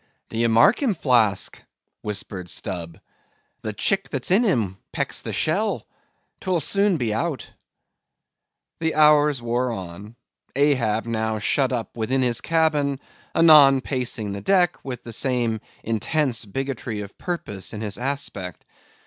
"D'ye mark him, Flask?" whispered Stubb; "the chick that's in him pecks the shell. 'Twill soon be out." The hours wore on;—Ahab now shut up within his cabin; anon, pacing the deck, with the same intense bigotry of purpose in his aspect.